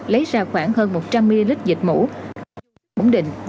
lấy ra khoảng hơn một trăm linh ml dịch mũ